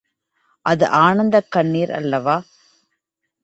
அது ஆனந்தக்கண்ணிர் அல்லவா?